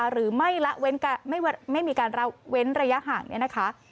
หรือไม่มีการเล่าเว้นระยะห่าง